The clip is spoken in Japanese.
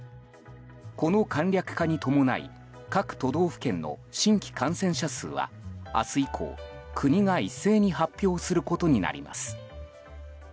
この簡略化に伴い各都道府県の新規感染者数は明日以降、国が一斉に発表することになります。